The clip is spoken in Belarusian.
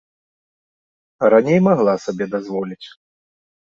Раней магла сабе дазволіць.